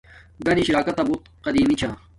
گنشݵ راکاتا بوت قدیمی چھا